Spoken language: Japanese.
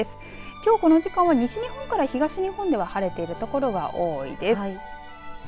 きょうこの時間は西日本から東日本では晴れている所が多いです。